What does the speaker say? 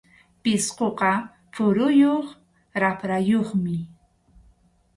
Pisquqa phuruyuq raprayuqmi.